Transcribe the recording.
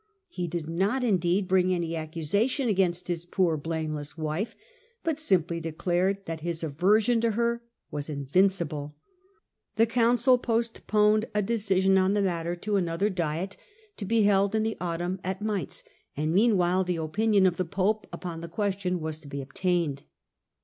He did not, indeed, bring any ac cusation against his poor blameless wife, but simply declared that his aversion to her was invincible. The council postponed a decision on the matter to another Digitized by VjOOQIC First Six Years of the Reign of Henry 1 V. 73 diet, to be held in the autumn at Mainz, and mean* while the opinion of the Pope upon the question was to be obtained.